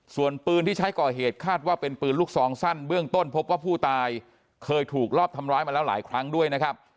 ส่วนปืนที่ใช้ก่อเหตุคาดว่าเป็นปืนลูกซองสั้นเบื้องต้นพบว่าผู้ตายเคยถูกรอบทำร้ายมาแล้วหลายครั้งด้วยนะครับ